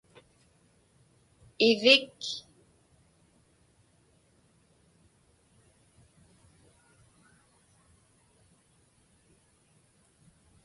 ivik